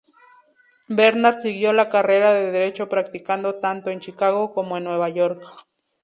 Bernard siguió la carrera de derecho practicando tanto en Chicago como en Nueva York.